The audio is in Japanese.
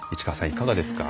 いかがですか？